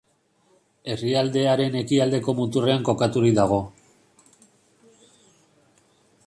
Herrialdearen ekialdeko muturrean kokaturik dago.